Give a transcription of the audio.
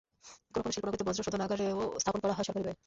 কোনো কোনো শিল্পনগরীতে বর্জ্য শোধনাগারও স্থাপন করা হয় সরকারি ব্যয়ে।